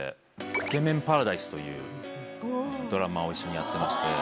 『イケメン♂パラダイス』というドラマを一緒にやってまして。